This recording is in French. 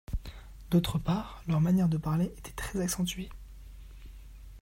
D'autre part, leur manière de parler était très accentuée.